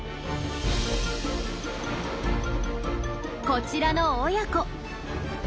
こちらの親子。